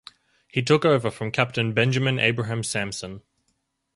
He took over from Captain Benjamin Abraham Samson.